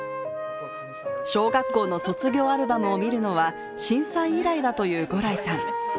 小学校の卒業アルバムを見るのは震災以来だという牛来さん。